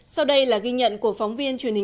sau đây là ghi nhận của phóng viên truyền hình